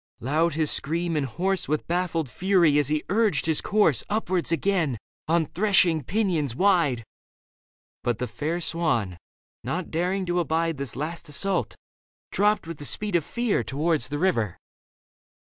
Loud his scream and hoarse With baffled fury as he urged his course Upwards again on threshing pinions wide. But the fair swan, not daring to abide This last assault, dropped with the speed of fear Towards the river.